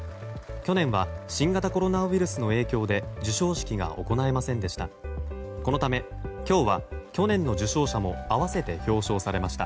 去年は新型コロナウイルスの影響で授賞式が行えませんでした。